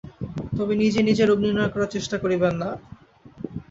তবে নিজেই নিজের রোগ নির্ণয় করার চেষ্টা করবেন না।